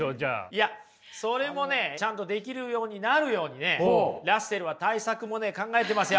いやそれもねちゃんとできるようになるようにラッセルは対策もね考えてますよ。